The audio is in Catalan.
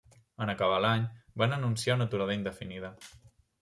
En acabar l'any, van anunciar una aturada indefinida.